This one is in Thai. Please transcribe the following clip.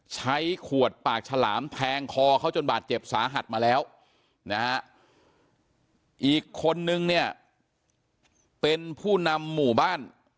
ใช้ขวดปากฉลามแทงคอเขาจนบาดเจ็บสาหัสมาแล้วนะฮะอีกคนนึงเนี่ยเป็นผู้นำหมู่บ้าน